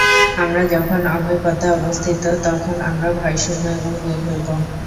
আমরা যখন অভয়পদে অবস্থিত, তখন আমরা ভয়শূন্য এবং বীর হইব।